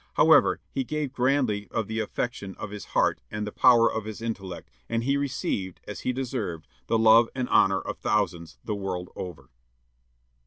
However, he gave grandly of the affection of his heart and the power of his intellect, and he received, as he deserved, the love and honor of thousands, the world over.